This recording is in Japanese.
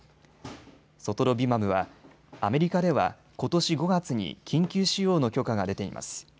ソトロビマブはアメリカでは、ことし５月に緊急使用の許可が出ています。